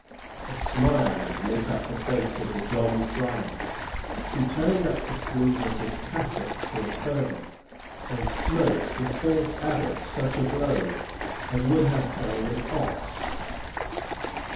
A smile lit up the face of the jolly friar. He turned up the sleeve of his cassock still further, and smote the false abbot such a blow as would have felled an ox.